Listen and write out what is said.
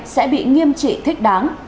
sẽ bị nghiêm trị thích đáng